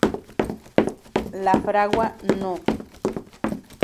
Lafragua No.